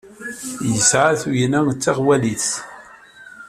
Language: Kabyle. Yesɛa tugna d taɣwalit.